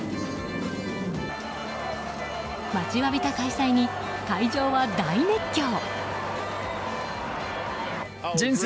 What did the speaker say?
待ちわびた開催に会場は大熱狂。